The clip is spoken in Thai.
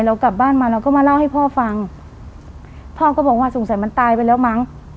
เรากลับบ้านมาเราก็มาเล่าให้พ่อฟังพ่อก็บอกว่าสงสัยมันตายไปแล้วมั้ง